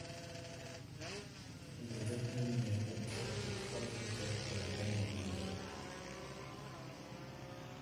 Le dernier numéro traite trois auteurs de la même manière.